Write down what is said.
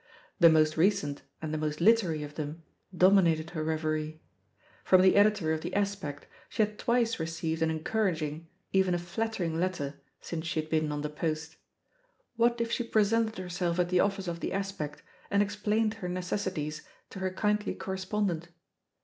!The most recent atid the most literary of them dominated her reverie. From the Editor of The Aspect she had twice reoeiyed an encourag ing, even a flattering letter since she had been on The Post. What if she presented herself at the office of The Aspect and explained her neces sities to her kindly correspondent?